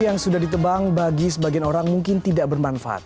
yang sudah ditebang bagi sebagian orang mungkin tidak bermanfaat